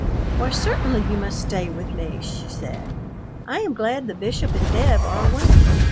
"Why, certainly you must stay with me," she said. "I am glad the Bishop and Deb are away.